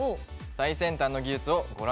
最先端の技術をご覧下さい。